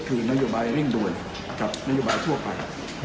คือนโยบายเร่งด่วนกับนโยบายทั่วไป